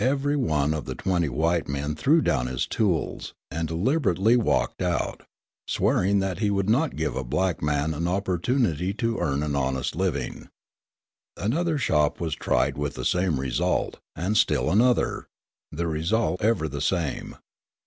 Every one of the twenty white men threw down his tools, and deliberately walked out, swearing that he would not give a black man an opportunity to earn an honest living. Another shop was tried with the same result, and still another, the result ever the same.